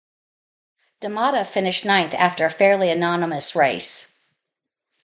Da Matta finished ninth after a fairly anonymous race.